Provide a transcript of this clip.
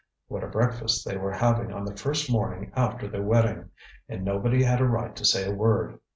What a breakfast they were having on the first morning after their wedding! And nobody had a right to say a word.